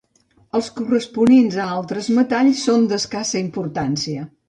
Els corresponents a altres metalls són d'escassa importància.